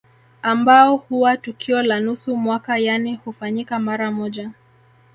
Ambao huwa tukio la nusu mwaka yani hufanyika mara moja